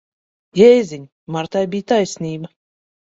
Jēziņ! Martai bija taisnība.